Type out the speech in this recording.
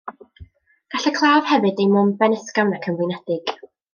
Gall y claf hefyd deimlo'n benysgafn ac yn flinedig.